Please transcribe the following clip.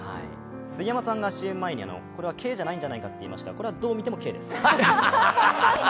杉山さんがＣＭ前にこれはＫじゃないんじゃないかと言いましたがこれはどう見てもＫです。